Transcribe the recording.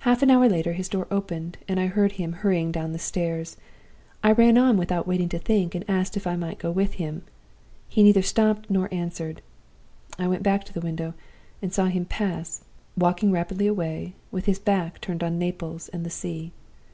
"Half an hour later his door opened, and I heard him hurrying down the stairs. I ran on without waiting to think, and asked if I might go with him. He neither stopped nor answered. I went back to the window, and saw him pass, walking rapidly away, with his back turned on Naples and the sea.